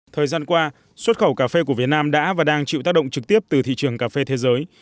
thời gian qua xuất khẩu cà phê của việt nam đã và đang chịu tác động trực tiếp từ thị trường cà phê thế giới